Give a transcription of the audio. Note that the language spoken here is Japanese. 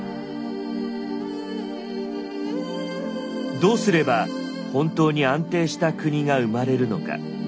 どうすれば本当に安定した国が生まれるのか。